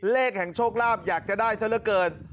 เลขแห่งโชคลาภอยากจะได้ซะละเกิน